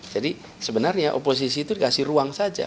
jadi sebenarnya oposisi itu dikasih ruang saja